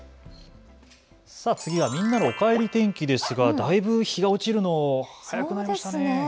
次はみんなのおかえり天気ですがだいぶ日が落ちるの早くなりましたね。